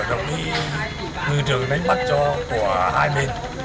đồng ý ngư trời đánh bắt cho của hai bên